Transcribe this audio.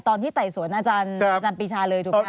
ตอนที่ไต่สวนอาจารย์ปีชาเร้นถูกเปล่า